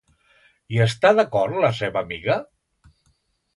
Hi està d'acord la seva amiga?